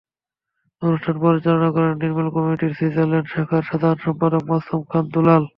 অনুষ্ঠান পরিচালনা করেন নির্মূল কমিটির সুইজারল্যান্ড শাখার সাধারণ সম্পাদক মাসুম খান দুলাল।